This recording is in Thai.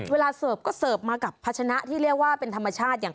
เสิร์ฟก็เสิร์ฟมากับพัชนะที่เรียกว่าเป็นธรรมชาติอย่าง